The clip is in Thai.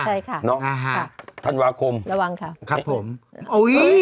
ใช่ค่ะใช่ตำละครูมระวังค่ะครับผมโอ้วนี่